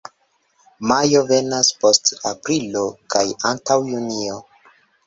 Majo venas post aprilo kaj antaŭ junio.